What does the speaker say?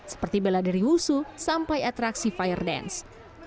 seperti bela dari husu sampai atraksi fire dance